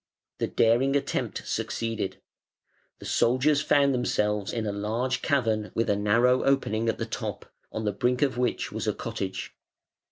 The daring attempt succeeded. The soldiers found themselves in a large cavern with a narrow opening at the top, on the brink of which was a cottage.